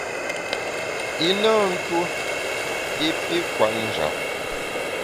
I na ntuo i pi kwet njap.